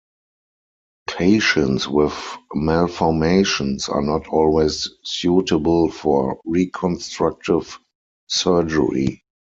Patients with malformations are not always suitable for reconstructive surgery.